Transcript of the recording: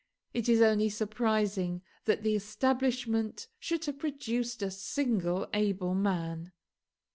It is only surprising that the establishment should have produced a single able man.